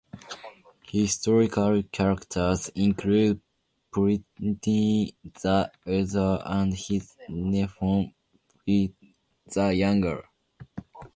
Historical characters include Pliny the Elder and his nephew Pliny the Younger.